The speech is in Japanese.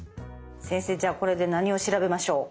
先生じゃあこれで何を調べましょう？